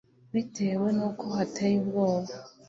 bitewe n'ukuntu hateye ubwoba.